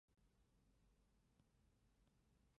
本品可由口服或静脉注射给药。